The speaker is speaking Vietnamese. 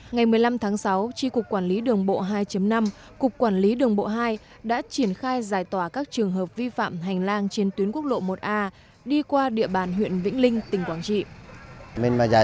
ngày một mươi năm tháng sáu tri cục quản lý đường bộ hai năm cục quản lý đường bộ hai đã triển khai giải tỏa các trường hợp vi phạm hành lang trên tuyến quốc lộ một a đi qua địa bàn huyện vĩnh linh tỉnh quảng trị